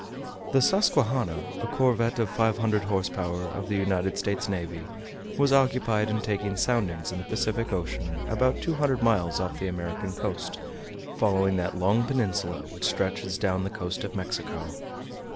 The Susquehanna, a corvette of 500 horse power, of the United States navy, was occupied in taking soundings in the Pacific Ocean about 200 miles off the American coast, following that long peninsula which stretches down the coast of Mexico.